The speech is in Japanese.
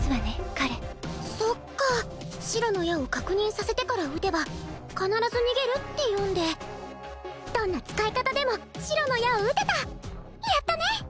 彼そっか白の矢を確認させてから撃てば必ず逃げるって読んでどんな使い方でも白の矢を撃てたやったね！